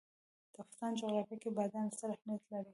د افغانستان جغرافیه کې بادام ستر اهمیت لري.